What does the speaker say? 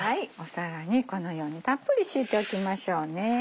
皿にこのようにたっぷり敷いておきましょうね。